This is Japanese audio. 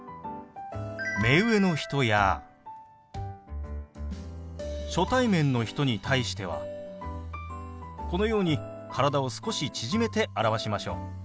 目上の人や初対面の人に対してはこのように体を少し縮めて表しましょう。